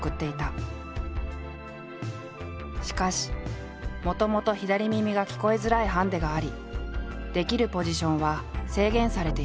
しかしもともと左耳が聞こえづらいハンデがありできるポジションは制限されていた。